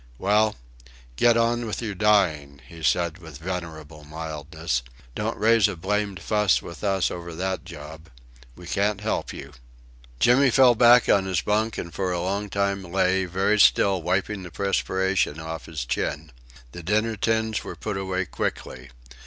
"Well, get on with your dying," he said with venerable mildness; "don't raise a blamed fuss with us over that job. We can't help you." Jimmy fell back in his bunk, and for a long time lay very still wiping the perspiration off his chin. The dinner tins were put away quickly.